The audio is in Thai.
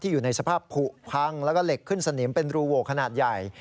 อยู่ในสภาพผูกพังแล้วก็เหล็กขึ้นสนิมเป็นรูโหวขนาดใหญ่